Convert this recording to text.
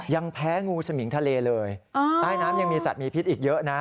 ยังแพ้งูสมิงทะเลเลยใต้น้ำยังมีสัตว์มีพิษอีกเยอะนะ